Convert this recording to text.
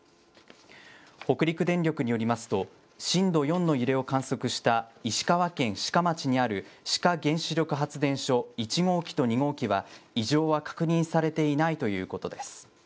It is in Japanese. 北陸電力によりますと、震度４の揺れを観測した石川県志賀町にある志賀原子力発電所１号機と２号機は、異常は確認されていないということです。